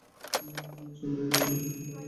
সে মেলিন্ডার সাথে হোটেলে খাবার খাচ্ছে।